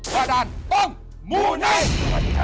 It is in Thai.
ประดานต้องหมูไนท์